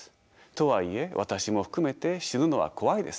とはいえ私も含めて死ぬのは怖いです。